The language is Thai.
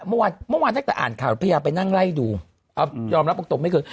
เมื่อวานเมื่อวานเนี้ยแต่อ่านข่าวพระพยาไปนั่งไล่ดูเอ่อยอมรับอุปกรณ์ไม่คือ